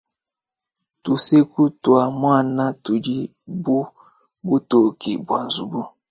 Tuseku tua muana tudi bu butoke bua nzubu.